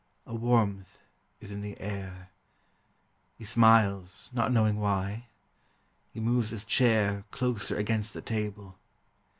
... A warmth is in the air, He smiles, not knowing why. He moves his chair Closer against the table.